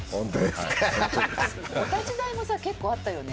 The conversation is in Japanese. お立ち台も結構あったよね。